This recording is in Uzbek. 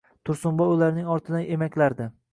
Tursunboy ularning ortidan emaklardi.